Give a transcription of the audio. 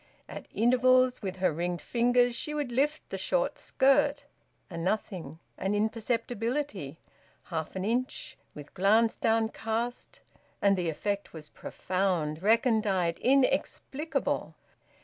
At intervals, with her ringed fingers she would lift the short skirt a nothing, an imperceptibility, half an inch, with glance downcast; and the effect was profound, recondite, inexplicable.